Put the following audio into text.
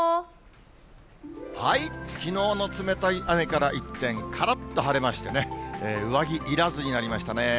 きのうの冷たい雨から一転、からっと晴れましてね、上着いらずになりましたね。